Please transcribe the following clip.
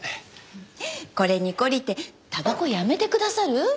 これに懲りてたばこやめてくださる？